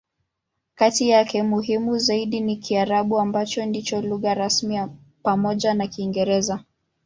Kati yake, muhimu zaidi ni Kiarabu, ambacho ndicho lugha rasmi pamoja na Kiingereza.